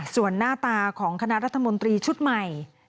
ส่วนหน้าตาของคณะรัฐมนตรีชุดใหม่